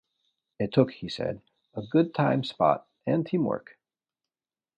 It took, he said, a good time spot and teamwork.